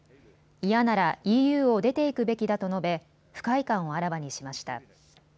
嫌ならＥＵを出て行くべきだと述べ、不快感をあらわにしました。